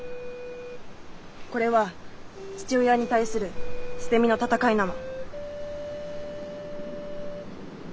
これは父親に対する捨て身の闘いなの。